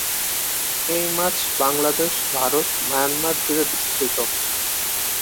এই মাছ বাংলাদেশ, ভারত, মায়ানমার জুড়ে বিস্তৃত।